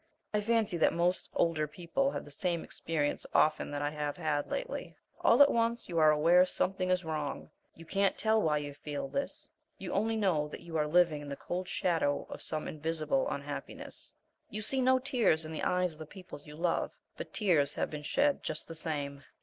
I fancy that most older people have the same experience often that I have had lately. All at once you are aware something is wrong. You can't tell why you feel this; you only know that you are living in the cold shadow of some invisible unhappiness. You see no tears in the eyes of the people you love, but tears have been shed just the same.